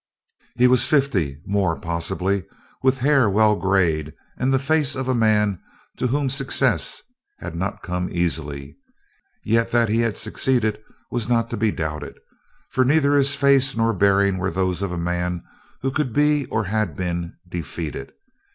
He was fifty more, possibly with hair well grayed and the face of a man to whom success had not come easily. Yet that he had succeeded was not to be doubted, for neither his face nor bearing were those of a man who could be, or had been, defeated.